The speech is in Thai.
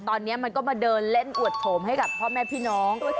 ตอนนี้มันก็มาเดินเล่นอวดโฉมให้กับพ่อแม่พี่น้อง